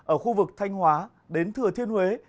ở khu vực thanh hóa đến thừa thiên huế